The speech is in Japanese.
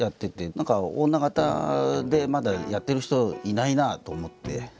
何か女形でまだやってる人いないなと思って。